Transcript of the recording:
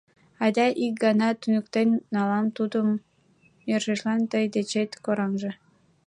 — Айда ик гана туныктен налам тудым, йӧршешлан тый дечет кораҥже.